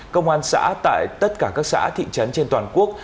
công an xã tại tất cả các xã thị trấn trên toàn quốc